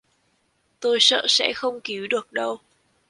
tôi sợ sẽ không cứu được đâu